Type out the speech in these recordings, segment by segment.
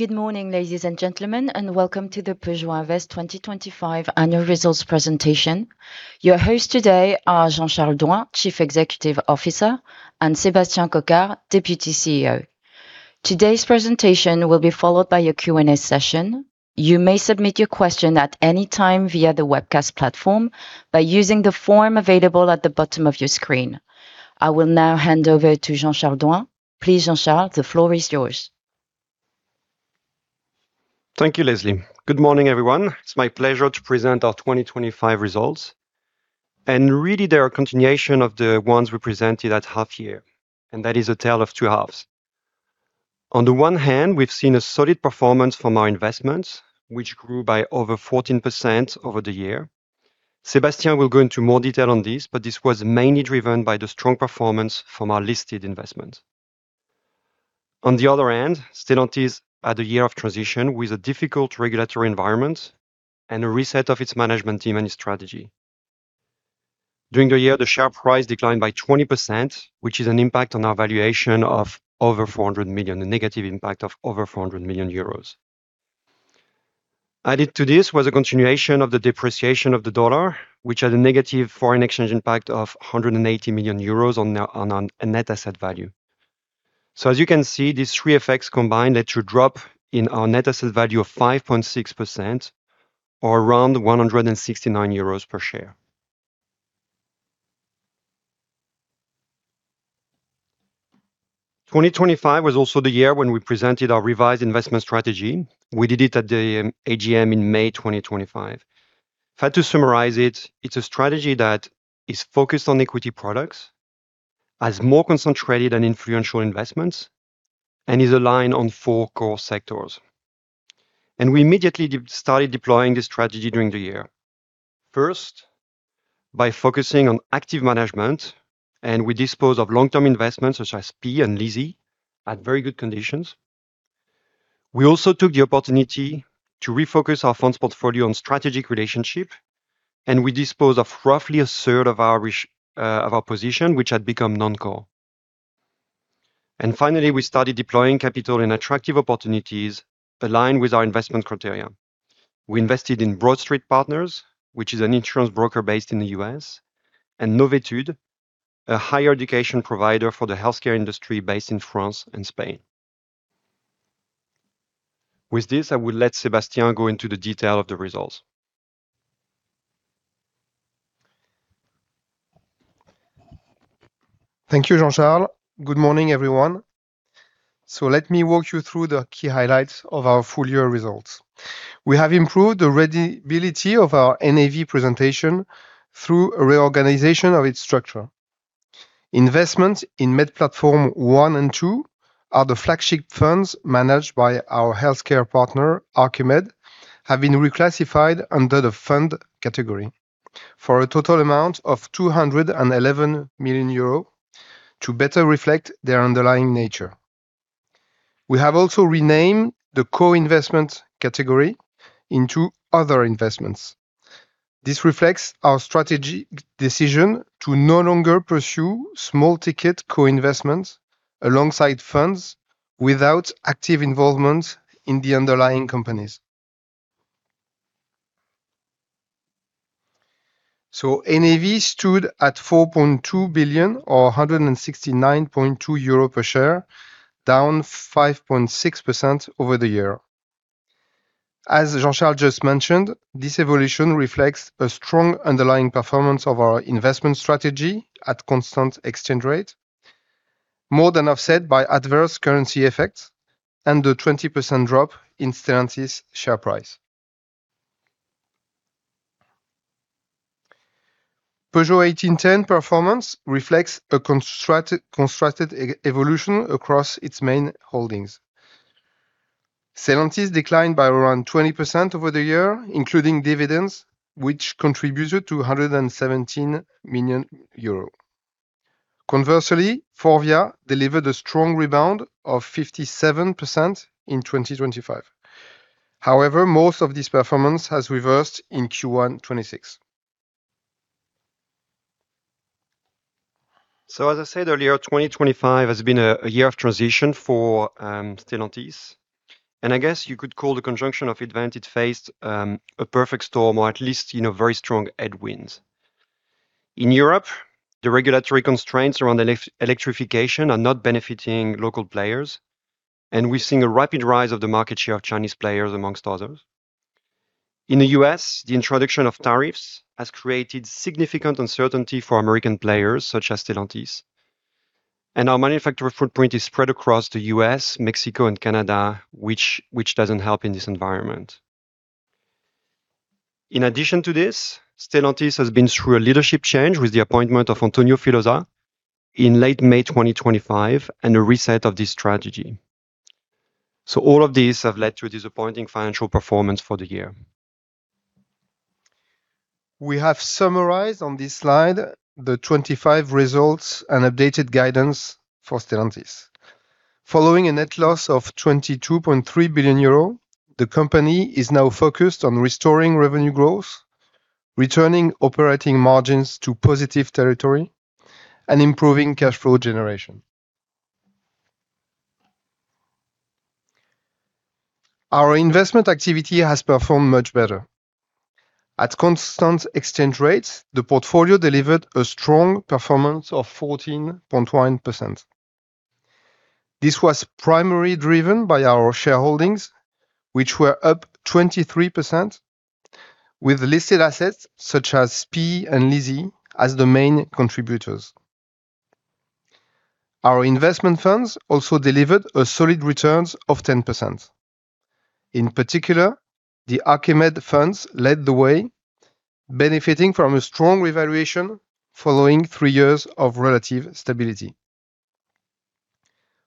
Good morning, ladies and gentlemen, and welcome to the Peugeot Invest 2025 Annual Results Presentation. Your hosts today are Jean-Charles Douin, Chief Executive Officer, and Sébastien Coquard, Deputy CEO. Today's presentation will be followed by a Q&A session. You may submit your question at any time via the webcast platform by using the form available at the bottom of your screen. I will now hand over to Jean-Charles Douin. Please, Jean-Charles, the floor is yours. Thank you, Leslie. Good morning, everyone. It's my pleasure to present our 2025 results. Really they are a continuation of the ones we presented at half year, and that is a tale of two halves. On the one hand, we've seen a solid performance from our investments, which grew by over 14% over the year. Sébastien will go into more detail on this, but this was mainly driven by the strong performance from our listed investment. On the other hand, Stellantis had a year of transition with a difficult regulatory environment and a reset of its management team and its strategy. During the year, the share price declined by 20%, which is an impact on our valuation of over 400 million. A negative impact of over 400 million euros. Added to this was a continuation of the depreciation of the U.S. Dollar, which had a negative foreign exchange impact of 180 million euros on a net asset value. As you can see, these three effects combined led to a drop in our net asset value of 5.6% or around 169 euros per share. 2025 was also the year when we presented our revised investment strategy. We did it at the AGM in May 2025. If I had to summarize it's a strategy that is focused on equity products, has more concentrated and influential investments, and is aligned on four core sectors. We immediately started deploying this strategy during the year. First, by focusing on active management, and we dispose of long-term investments such as SPIE and LISI at very good conditions. We also took the opportunity to refocus our funds portfolio on strategic relationship, and we dispose of roughly a third of our position, which had become non-core. Finally, we started deploying capital in attractive opportunities aligned with our investment criteria. We invested in BroadStreet Partners, which is an insurance broker based in the U.S., and Novétude, a higher education provider for the healthcare industry based in France and Spain. With this, I will let Sébastien go into the detail of the results. Thank you, Jean-Charles. Good morning, everyone. Let me walk you through the key highlights of our full year results. We have improved the readability of our NAV presentation through reorganization of its structure. Investments in MED Platform I and II are the flagship funds managed by our healthcare partner, ArchiMed, have been reclassified under the fund category for a total amount of 211 million euro to better reflect their underlying nature. We have also renamed the co-investment category into other investments. This reflects our strategic decision to no longer pursue small ticket co-investments alongside funds without active involvement in the underlying companies. NAV stood at 4.2 billion or 169.2 euro per share, down 5.6% over the year. As Jean-Charles just mentioned, this evolution reflects a strong underlying performance of our investment strategy at constant exchange rate, more than offset by adverse currency effects and the 20% drop in Stellantis share price. Peugeot 1810 performance reflects a constructed evolution across its main holdings. Stellantis declined by around 20% over the year, including dividends, which contributed to 117 million euro. Conversely, Forvia delivered a strong rebound of 57% in 2025. However, most of this performance has reversed in Q1 2026. As I said earlier, 2025 has been a year of transition for Stellantis, and I guess you could call the conjunction of events it faced a perfect storm or at least, you know, very strong headwinds. In Europe, the regulatory constraints around electrification are not benefiting local players, and we're seeing a rapid rise of the market share of Chinese players, among others. In the U.S., the introduction of tariffs has created significant uncertainty for American players such as Stellantis. Our manufacturing footprint is spread across the U.S., Mexico and Canada, which doesn't help in this environment. In addition to this, Stellantis has been through a leadership change with the appointment of Antonio Filosa in late May 2025 and a reset of this strategy. All of these have led to a disappointing financial performance for the year. We have summarized on this slide the 25 results and updated guidance for Stellantis. Following a net loss of 22.3 billion euro, the company is now focused on restoring revenue growth. Returning operating margins to positive territory and improving cash flow generation. Our investment activity has performed much better. At constant exchange rates, the portfolio delivered a strong performance of 14.1%. This was primarily driven by our shareholdings, which were up 23% with listed assets such as SPIE and LISI as the main contributors. Our investment funds also delivered a solid return of 10%. In particular, the ArchiMed funds led the way benefiting from a strong revaluation following three years of relative stability.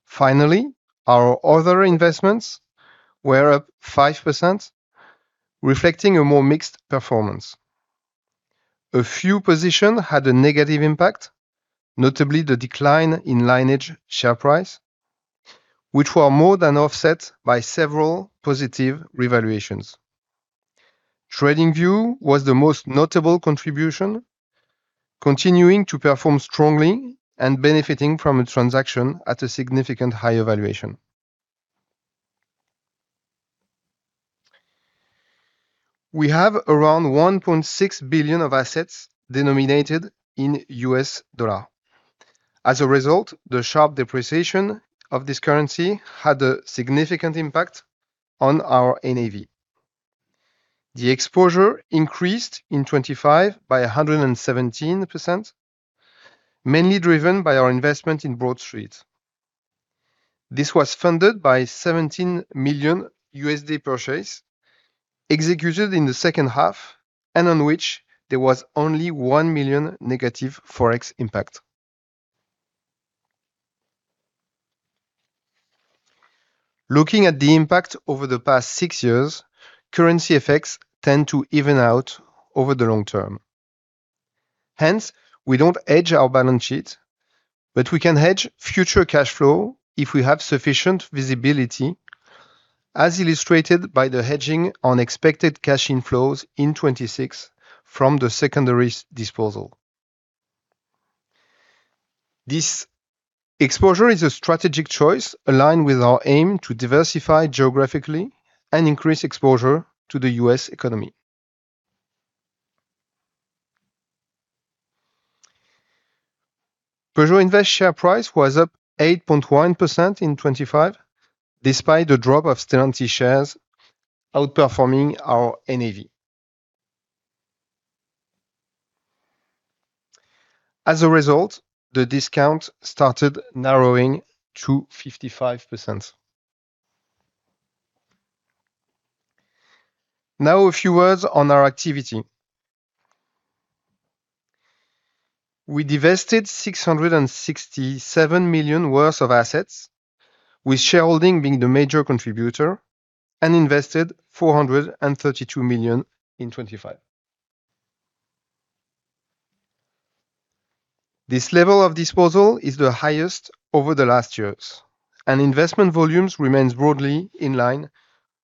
Finally, our other investments were up 5%, reflecting a more mixed performance. A few positions had a negative impact, notably the decline in Lineage share price, which was more than offset by several positive revaluations. TradingView was the most notable contribution, continuing to perform strongly and benefiting from a transaction at a significantly higher valuation. We have around $1.6 billion of assets denominated in U.S. dollar. As a result, the sharp depreciation of this currency had a significant impact on our NAV. The exposure increased in 2025 by 117%, mainly driven by our investment in Broad Street. This was funded by $17 million purchase executed in the second half and on which there was only $1 million negative Forex impact. Looking at the impact over the past six years, currency effects tend to even out over the long term. Hence, we don't hedge our balance sheet, but we can hedge future cash flow if we have sufficient visibility, as illustrated by the hedging on expected cash inflows in 2026 from the secondary disposal. This exposure is a strategic choice aligned with our aim to diversify geographically and increase exposure to the U.S. economy. Peugeot Invest share price was up 8.1% in 2025, despite the drop in Stellantis shares, outperforming our NAV. As a result, the discount started narrowing to 55%. Now a few words on our activity. We divested 667 million worth of assets, with shareholding being the major contributor and invested 432 million in 2025. This level of disposal is the highest over the last years, and investment volumes remains broadly in line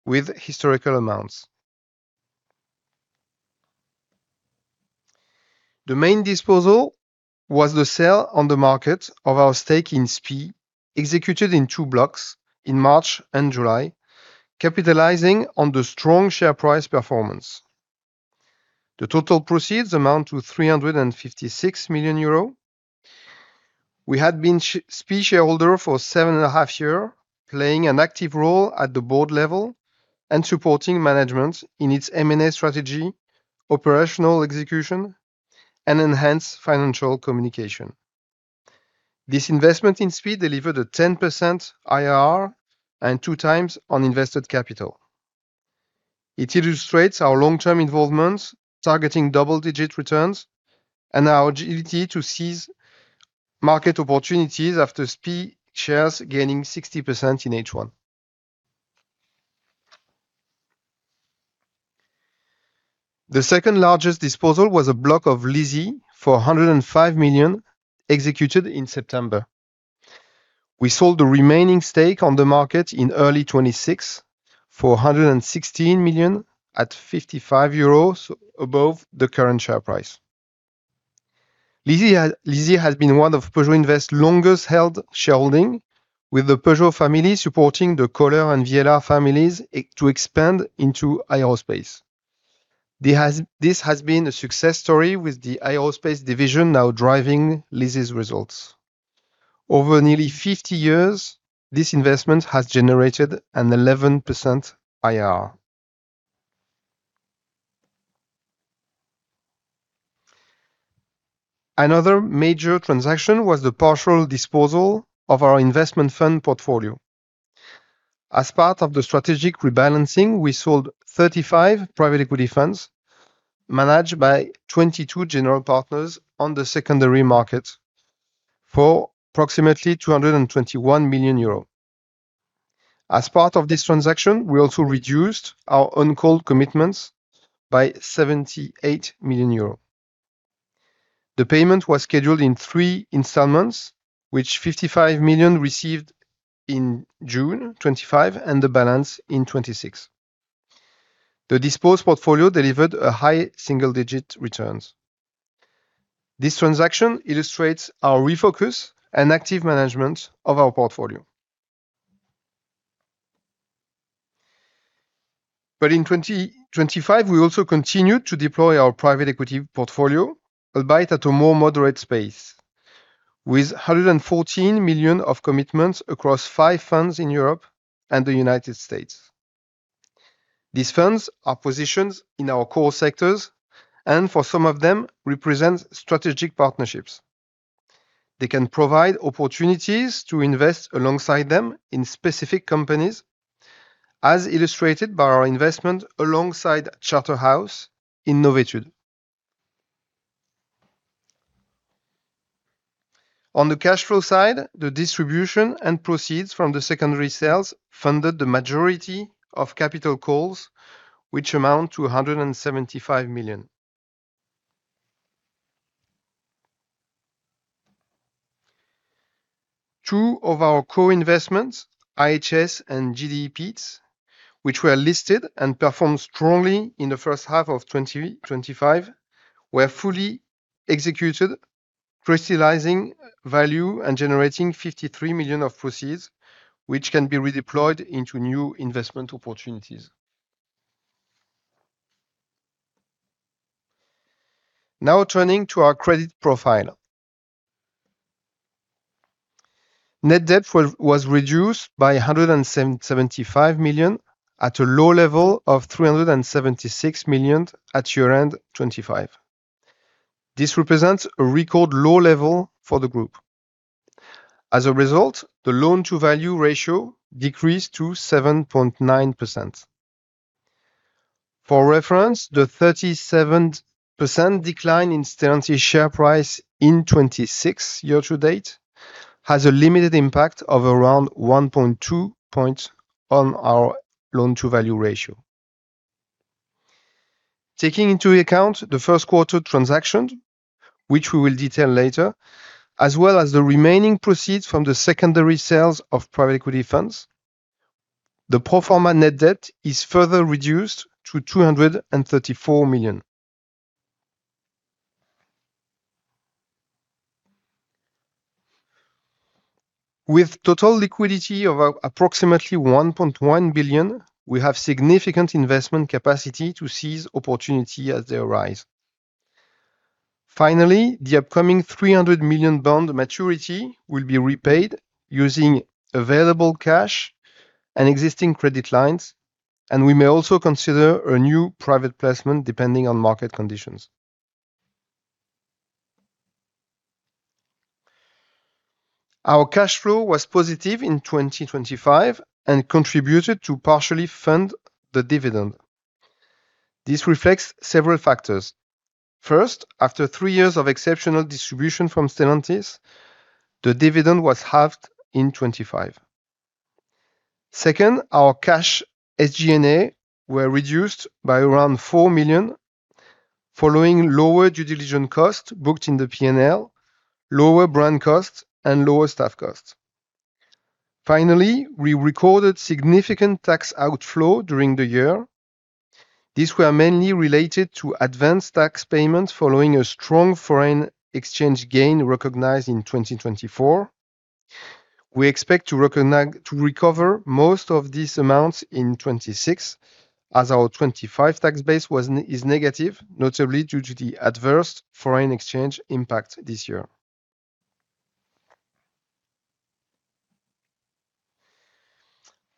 with historical amounts. The main disposal was the sale on the market of our stake in SPIE, executed in two blocks in March and July, capitalizing on the strong share price performance. The total proceeds amount to 356 million euro. We had been SPIE shareholder for 7.5 years, playing an active role at the board level and supporting management in its M&A strategy, operational execution, and enhance financial communication. This investment in SPIE delivered a 10% IRR and 2x on invested capital. It illustrates our long-term involvement targeting double-digit returns and our agility to seize market opportunities after SPIE shares gaining 60% in H1. The second-largest disposal was a block of LISI for 105 million executed in September. We sold the remaining stake on the market in early 2026 for 116 million at 55 euros above the current share price. LISI has been one of Peugeot Invest's longest-held shareholding, with the Peugeot family supporting the Kohler and Viellard families to expand into aerospace. This has been a success story with the aerospace division now driving LISI's results. Over nearly 50 years, this investment has generated an 11% IRR. Another major transaction was the partial disposal of our investment fund portfolio. As part of the strategic rebalancing, we sold 35 private equity funds managed by 22 general partners on the secondary market for approximately 221 million euro. As part of this transaction, we also reduced our uncalled commitments by 78 million euros. The payment was scheduled in three installments, which 55 million received in June 2025, and the balance in 2026. The disposed portfolio delivered a high single-digit returns. This transaction illustrates our refocus and active management of our portfolio. In 2025, we also continued to deploy our private equity portfolio, albeit at a more moderate pace. With 114 million of commitments across five funds in Europe and the United States. These funds are positioned in our core sectors and for some of them represent strategic partnerships. They can provide opportunities to invest alongside them in specific companies, as illustrated by our investment alongside Charterhouse in Novétude. On the cash flow side, the distribution and proceeds from the secondary sales funded the majority of capital calls, which amount to 175 million. Two of our co-investments, IHS and GDPITS, which were listed and performed strongly in the first half of 2025, were fully executed, crystallizing value and generating 53 million of proceeds, which can be redeployed into new investment opportunities. Now turning to our credit profile. Net debt was reduced by 175 million at a low level of 376 million at year-end 2025. This represents a record low level for the group. As a result, the loan-to-value ratio decreased to 7.9%. For reference, the 37% decline in Stellantis share price in 2026 year to date has a limited impact of around 1.2 points on our loan-to-value ratio. Taking into account the first quarter transaction, which we will detail later, as well as the remaining proceeds from the secondary sales of private equity funds, the pro forma net debt is further reduced to 234 million. With total liquidity of approximately 1.1 billion, we have significant investment capacity to seize opportunity as they arise. Finally, the upcoming 300 million bond maturity will be repaid using available cash and existing credit lines, and we may also consider a new private placement depending on market conditions. Our cash flow was positive in 2025 and contributed to partially fund the dividend. This reflects several factors. First, after three years of exceptional distribution from Stellantis, the dividend was halved in 2025. Second, our cash SG&A were reduced by around 4 million following lower due diligence costs booked in the P&L, lower brand costs and lower staff costs. Finally, we recorded significant tax outflow during the year. These were mainly related to advanced tax payments following a strong foreign exchange gain recognized in 2024. We expect to recover most of these amounts in 2026, as our 2025 tax base is negative, notably due to the adverse foreign exchange impact this year.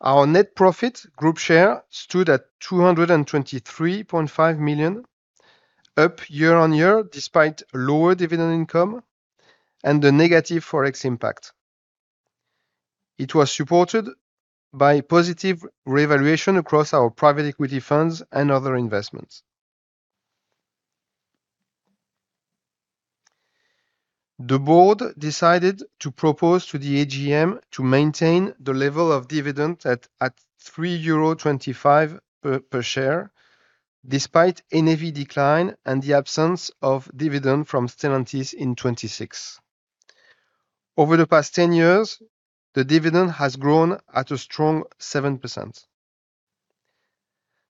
Our net profit group share stood at 223.5 million, up year on year despite lower dividend income and the negative Forex impact. It was supported by positive revaluation across our private equity funds and other investments. The board decided to propose to the AGM to maintain the level of dividend at 3.25 euro per share, despite NAV decline and the absence of dividend from Stellantis in 2026. Over the past 10 years, the dividend has grown at a strong 7%.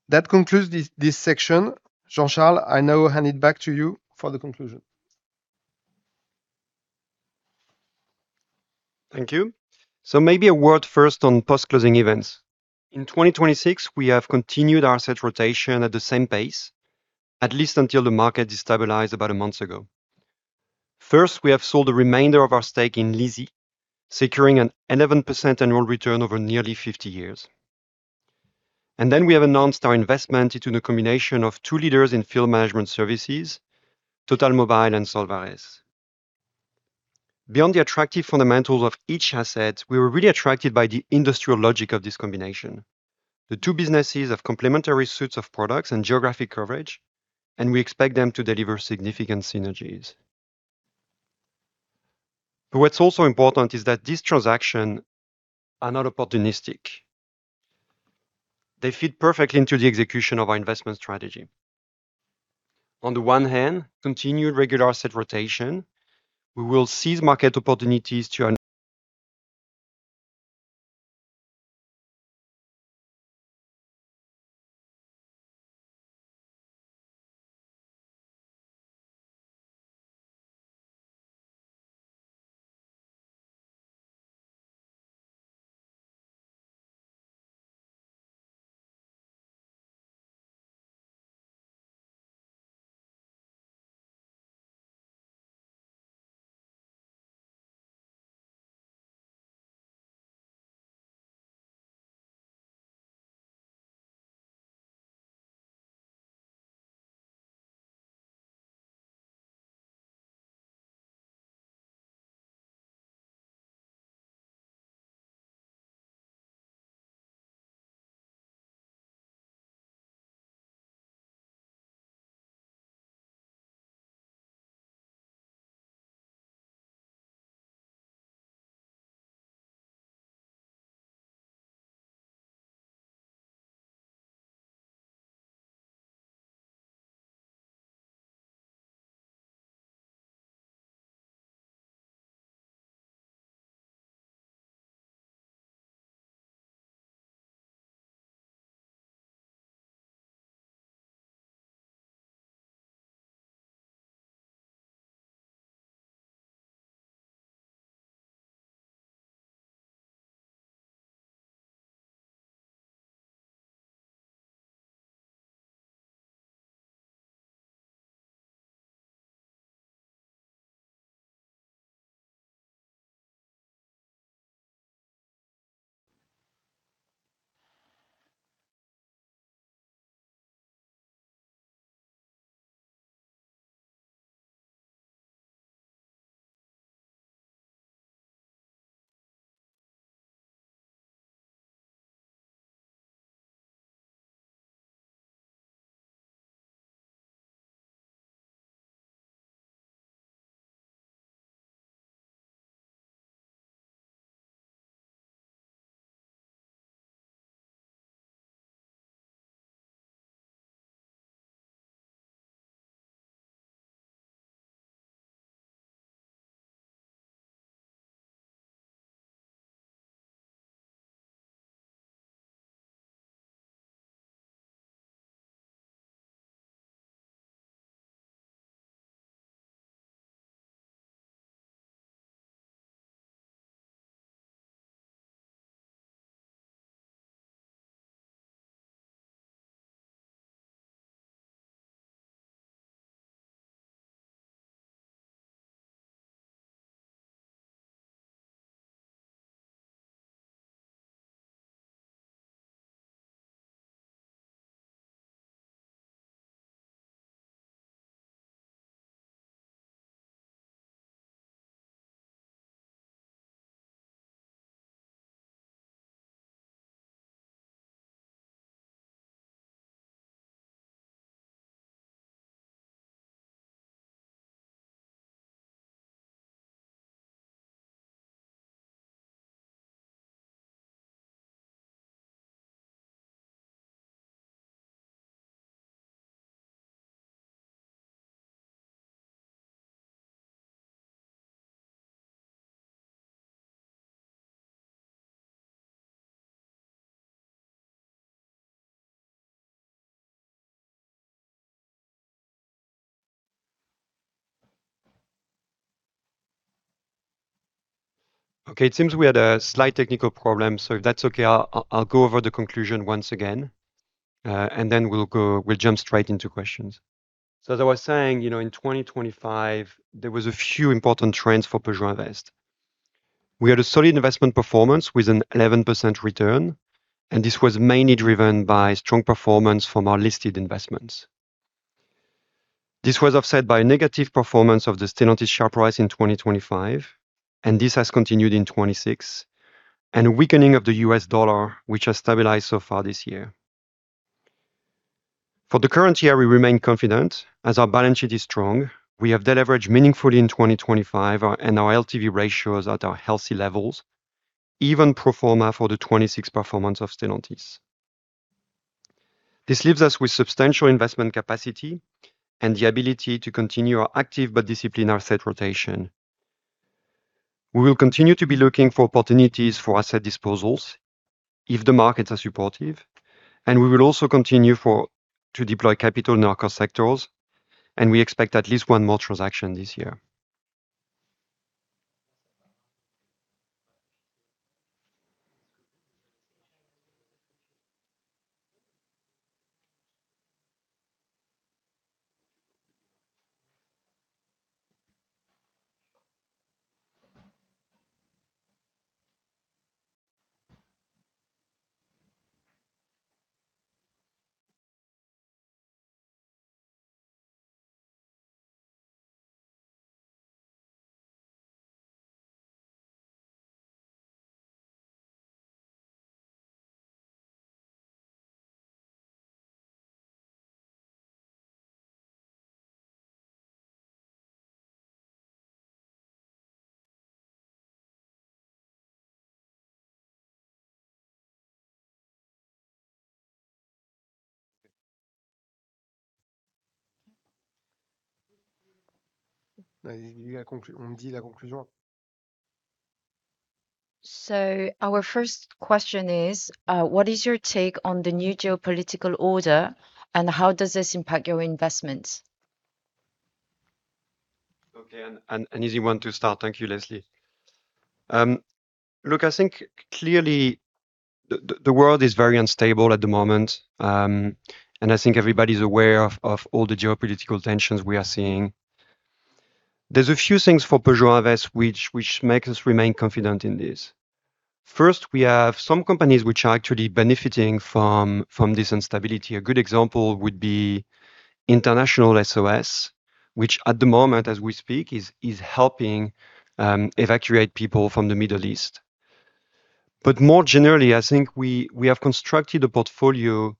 That concludes this section. Jean-Charles, I now hand it back to you for the conclusion. Thank you. Maybe a word first on post-closing events. In 2026, we have continued our asset rotation at the same pace, at least until the market destabilized about a month ago. First, we have sold the remainder of our stake in LISI, securing an 11% annual return over nearly 50 years. Then we have announced our investment into the combination of two leaders in field service management, Totalmobile and Solvares. Beyond the attractive fundamentals of each asset, we were really attracted by the industrial logic of this combination. The two businesses have complementary suites of products and geographic coverage, and we expect them to deliver significant synergies. What's also important is that these transactions are not opportunistic. They fit perfectly into the execution of our investment strategy. On the one hand, continued regular asset rotation. We will seize market opportunities. Okay, it seems we had a slight technical problem. If that's okay, I'll go over the conclusion once again, and then we'll jump straight into questions. As I was saying, you know, in 2025, there was a few important trends for Peugeot Invest. We had a solid investment performance with an 11% return, and this was mainly driven by strong performance from our listed investments. This was offset by a negative performance of the Stellantis share price in 2025, and this has continued in 2026, and a weakening of the U.S. dollar, which has stabilized so far this year. For the current year, we remain confident as our balance sheet is strong. We have deleveraged meaningfully in 2025, and our LTV ratio is at our healthy levels, even pro forma for the 2026 performance of Stellantis. This leaves us with substantial investment capacity and the ability to continue our active but disciplined asset rotation. We will continue to be looking for opportunities for asset disposals if the markets are supportive, and we will also continue to deploy capital in our core sectors, and we expect at least one more transaction this year. Our first question is, what is your take on the new geopolitical order, and how does this impact your investments? Okay, an easy one to start. Thank you, Leslie. Look, I think clearly the world is very unstable at the moment. I think everybody's aware of all the geopolitical tensions we are seeing. There's a few things for Peugeot Invest which make us remain confident in this. First, we have some companies which are actually benefiting from this instability. A good example would be International SOS, which at the moment as we speak is helping evacuate people from the Middle East. More generally, I think we have constructed a portfolio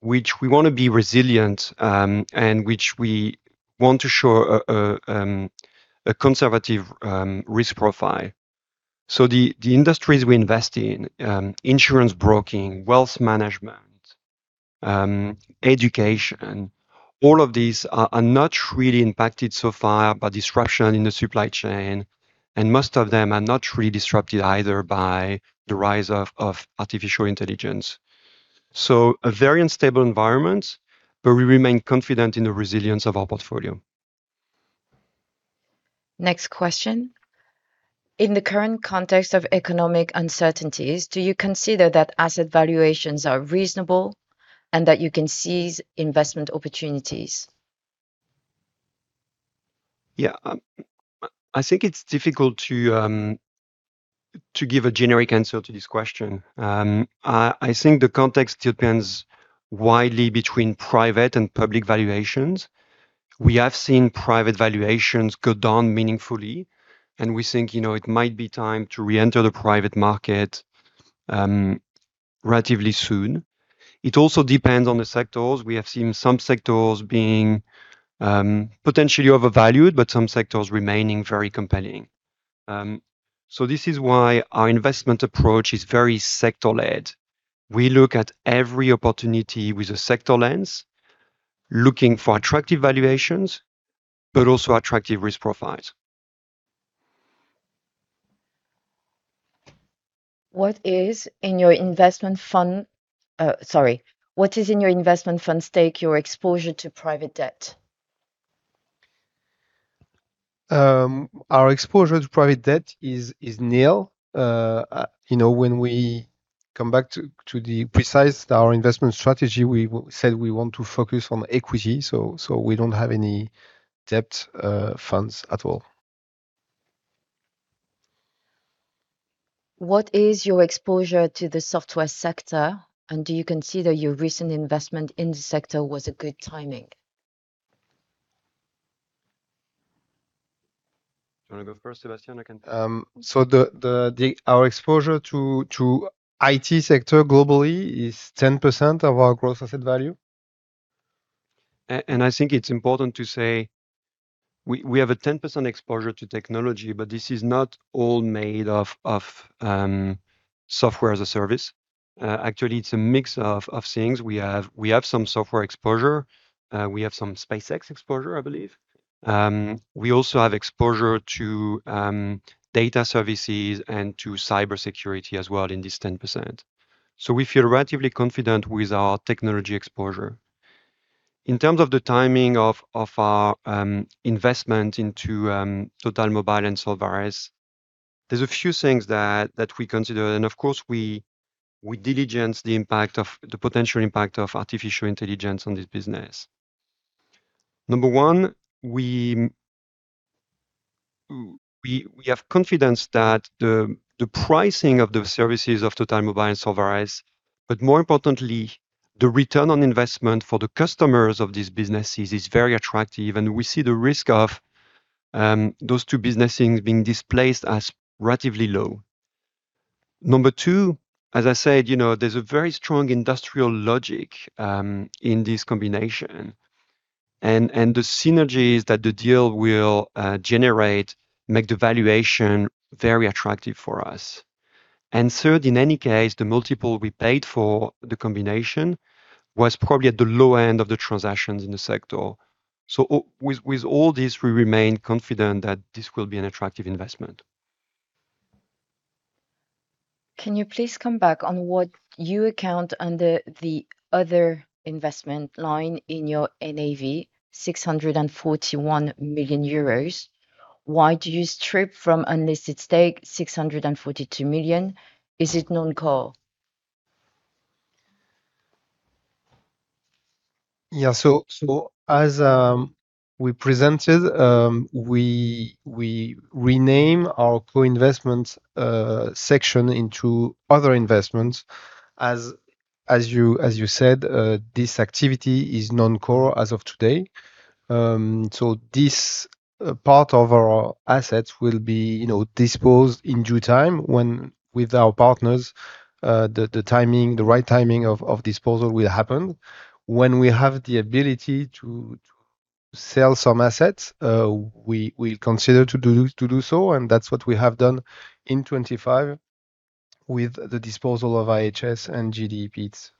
which we want to be resilient and which we want to show a conservative risk profile. The industries we invest in, insurance broking, wealth management, education, all of these are not really impacted so far by disruption in the supply chain, and most of them are not really disrupted either by the rise of artificial intelligence. A very unstable environment, but we remain confident in the resilience of our portfolio. Next question. In the current context of economic uncertainties, do you consider that asset valuations are reasonable and that you can seize investment opportunities? Yeah. I think it's difficult to give a generic answer to this question. I think the context depends widely between private and public valuations. We have seen private valuations go down meaningfully, and we think, you know, it might be time to reenter the private market, relatively soon. It also depends on the sectors. We have seen some sectors being potentially overvalued, but some sectors remaining very compelling. This is why our investment approach is very sector-led. We look at every opportunity with a sector lens, looking for attractive valuations but also attractive risk profiles. What is in your investment fund? State your exposure to private debt? Our exposure to private debt is nil. You know, when we come back to be precise, our investment strategy, we said we want to focus on equity, so we don't have any debt funds at all. What is your exposure to the software sector, and do you consider your recent investment in this sector was a good timing? Do you want to go first, Sébastien? Our exposure to the IT sector globally is 10% of our gross asset value. I think it's important to say we have a 10% exposure to technology, but this is not all made of software as a service. Actually it's a mix of things. We have some software exposure. We have some SpaceX exposure, I believe. We also have exposure to data services and to cybersecurity as well in this 10%. We feel relatively confident with our technology exposure. In terms of the timing of our investment into Totalmobile and Solvares, there's a few things that we consider, and of course we diligence the impact of the potential impact of artificial intelligence on this business. Number one, we have confidence that the pricing of the services of Totalmobile and Solvares, but more importantly, the return on investment for the customers of these businesses is very attractive, and we see the risk of those two businesses being displaced as relatively low. Number two, as I said, you know, there's a very strong industrial logic in this combination, and the synergies that the deal will generate make the valuation very attractive for us. Third, in any case, the multiple we paid for the combination was probably at the low end of the transactions in the sector. With all this, we remain confident that this will be an attractive investment. Can you please come back on what your account under the other investment line in your NAV 641 million euros? Why do you strip from unlisted stake 642 million? Is it non-core? Yeah. As we presented, we rename our co-investment section into other investments. As you said, this activity is non-core as of today. This part of our assets will be, you know, disposed in due time when with our partners, the timing, the right timing of disposal will happen when we have the ability to. Sell some assets, we consider to do so, and that's what we have done in 2025 with the disposal of IHS and GDPs.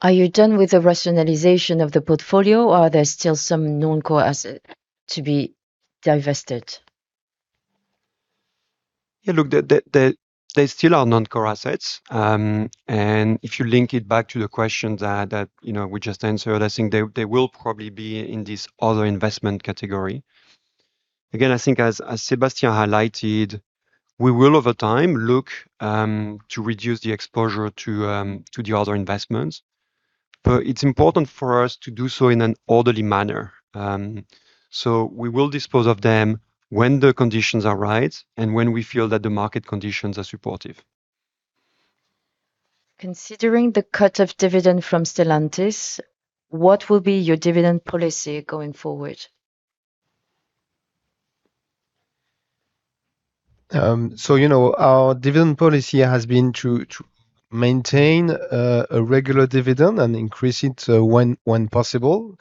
Are you done with the rationalization of the portfolio, or are there still some non-core asset to be divested? Yeah, look, there still are non-core assets. If you link it back to the question that you know we just answered, I think they will probably be in this other investment category. Again, I think as Sébastien highlighted, we will over time look to reduce the exposure to the other investments. It's important for us to do so in an orderly manner. We will dispose of them when the conditions are right and when we feel that the market conditions are supportive. Considering the cut of dividend from Stellantis, what will be your dividend policy going forward? You know, our dividend policy has been to maintain a regular dividend and increase it when possible.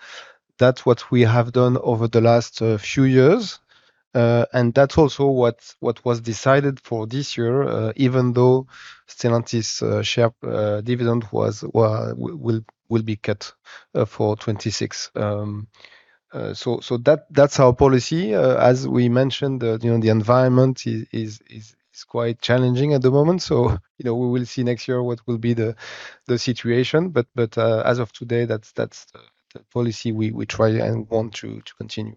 That's what we have done over the last few years. That's also what was decided for this year, even though Stellantis share dividend will be cut for 2026. That's our policy. As we mentioned, you know, the environment is quite challenging at the moment. You know, we will see next year what will be the situation. As of today, that's the policy we try and want to continue.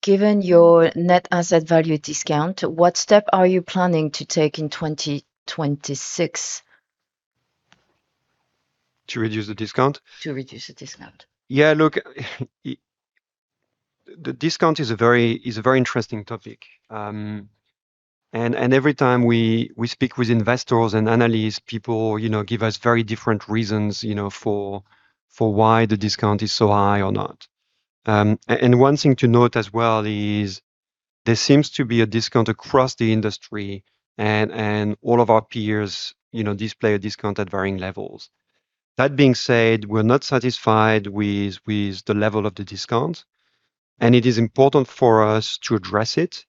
Given your net asset value discount, what step are you planning to take in 2026? To reduce the discount? To reduce the discount. Yeah, look, the discount is a very interesting topic. Every time we speak with investors and analysts, people, you know, give us very different reasons, you know, for why the discount is so high or not. One thing to note as well is there seems to be a discount across the industry and all of our peers, you know, display a discount at varying levels. That being said, we're not satisfied with the level of the discount, and it is important for us to address it.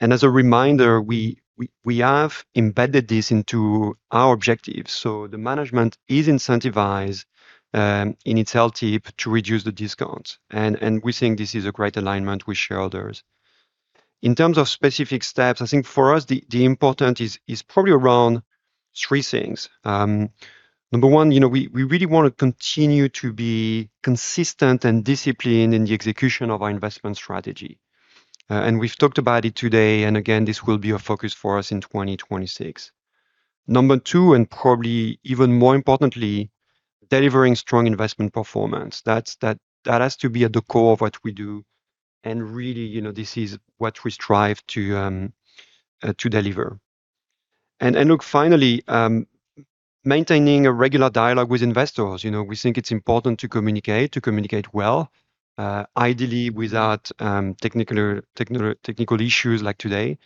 As a reminder, we have embedded this into our objectives, so the management is incentivized in its LTIP to reduce the discount. We think this is a great alignment with shareholders. In terms of specific steps, I think for us the important is probably around three things. Number one, you know, we really want to continue to be consistent and disciplined in the execution of our investment strategy. We've talked about it today, and again, this will be a focus for us in 2026. Number two, and probably even more importantly, delivering strong investment performance. That has to be at the core of what we do and really, you know, this is what we strive to deliver. Look, finally, maintaining a regular dialogue with investors. You know, we think it's important to communicate well, ideally without technical issues like today.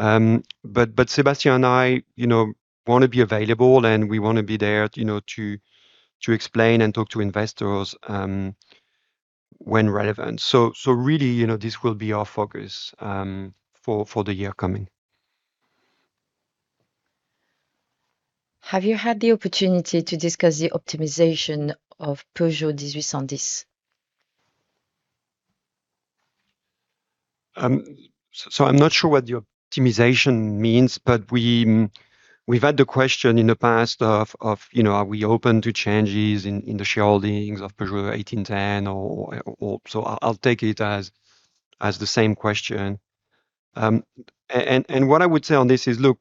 Sébastien and I, you know, want to be available, and we want to be there, you know, to explain and talk to investors, when relevant. Really, you know, this will be our focus, for the year coming. Have you had the opportunity to discuss the optimization of Peugeot 1810? I'm not sure what the optimization means, but we've had the question in the past of, you know, are we open to changes in the shareholdings of Peugeot 1810. I'll take it as the same question. What I would say on this is, look,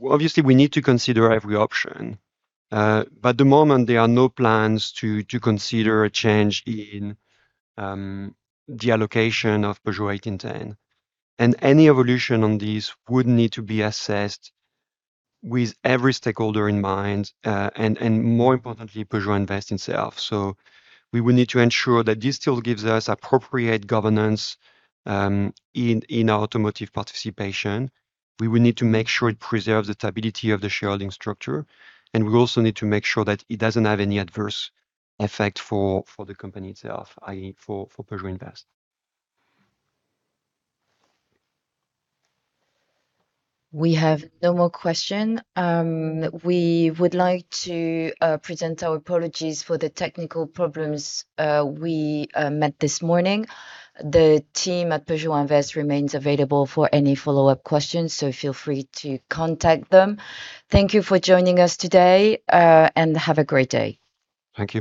we obviously need to consider every option. At the moment there are no plans to consider a change in the allocation of Peugeot 1810. Any evolution on this would need to be assessed with every stakeholder in mind, and more importantly, Peugeot Invest itself. We will need to ensure that this still gives us appropriate governance in our automotive participation. We will need to make sure it preserves the stability of the shareholding structure, and we also need to make sure that it doesn't have any adverse effect for the company itself, i.e., for Peugeot Invest. We have no more questions. We would like to present our apologies for the technical problems we met this morning. The team at Peugeot Invest remains available for any follow-up questions, so feel free to contact them. Thank you for joining us today, and have a great day. Thank you.